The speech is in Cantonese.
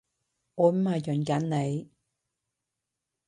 我唔係潤緊你